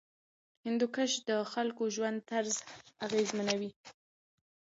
هندوکش د خلکو ژوند طرز اغېزمنوي.